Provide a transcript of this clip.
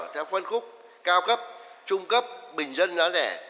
theo phân khúc cao cấp trung cấp bình dân giá rẻ